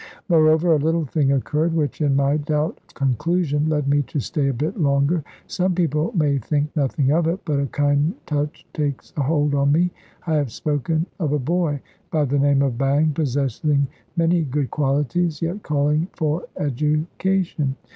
Moreover, a little thing occurred, which, in my doubt of conclusion, led me to stay a bit longer. Some people may think nothing of it, but a kind touch takes a hold on me. I have spoken of a boy, by the name of Bang, possessing many good qualities, yet calling for education.